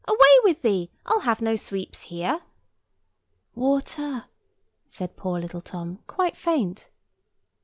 Away with thee! I'll have no sweeps here." "Water," said poor little Tom, quite faint.